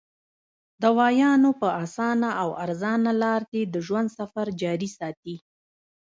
د دوايانو پۀ اسانه او ارزانه لار دې د ژوند سفر جاري ساتي -